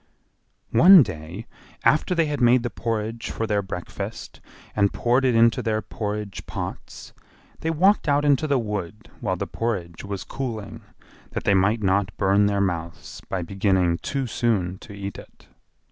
One day, after they had made the porridge for their breakfast and poured it into their porridge pots, they walked out into the wood while the porridge was cooling, that they might not burn their mouths by beginning too soon to eat it.